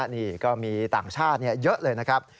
นี่ก็มีต่างชาติเยอะเลยนะครับ